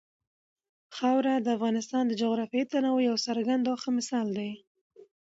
خاوره د افغانستان د جغرافیوي تنوع یو څرګند او ښه مثال دی.